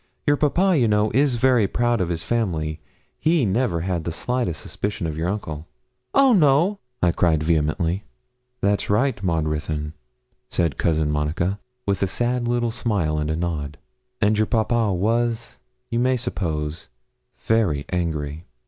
Your papa, you know, is very proud of his family he never had the slightest suspicion of your uncle.' 'Oh no!' I cried vehemently. 'That's right, Maud Ruthyn,' said Cousin Monica, with a sad little smile and a nod. 'And your papa was, you may suppose, very angry.'